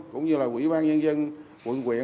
cũng như là quỹ ban nhân dân quận quyện